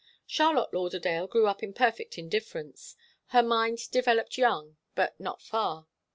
Charlotte Lauderdale grew up in perfect indifference. Her mind developed young, but not far.